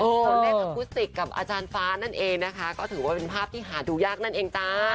ตัวเลขอคุสติกกับอาจารย์ฟ้านั่นเองนะคะก็ถือว่าเป็นภาพที่หาดูยากนั่นเองจ้า